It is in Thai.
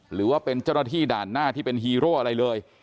หรือว่าเป็นเจ้าหน้าที่ด่านหน้าที่เป็นฮีโร่อะไรเลย